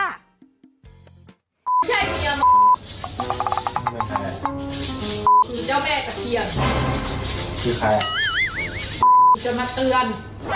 ไม่ใช่เมียมันเป็นใครมีเจ้าแม่ตะเคียนชื่อใครจะมาเตือน